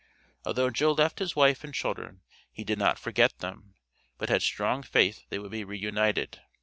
Although Joe left his wife and children, he did not forget them, but had strong faith they would be reunited.